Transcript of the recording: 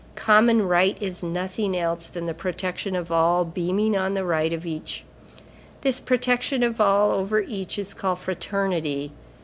Common right is nothing else than the protection of all beaming on the right of each. This protection of all over each is called Fraternity.